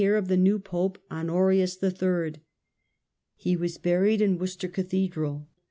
^ q£ ^YiQ new pope, Honorius HI. He was buried in Worcester Cathedral.